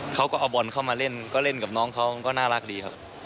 เขาก็เอาบอลเข้ามาเล่นก็เล่นกับน้องเขาก็น่ารักดีครับ